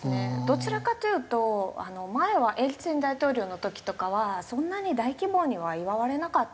どちらかというと前はエリツィン大統領の時とかはそんなに大規模には祝われなかったらしいですね。